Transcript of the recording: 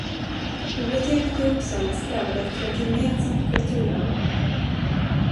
Biblioteket i Uppsala strävade efter ett gemensamt kulturarv